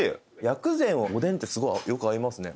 薬膳おでんってすごいよく合いますね。